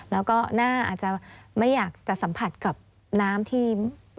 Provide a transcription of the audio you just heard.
แล้วก็หน้าอาจจะไม่อยากจะสัมผัสกับน้ำที่